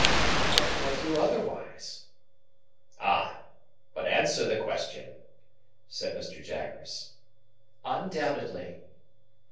"How could I do otherwise!" "Ah! But answer the question," said Mr. Jaggers. "Undoubtedly."